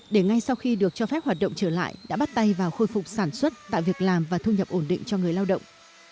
để ngay sau khi được cho phép hoạt động trở lại đã bắt tay vào khôi phục sản xuất tạo việc làm và thu nhập ổn định cho người lao động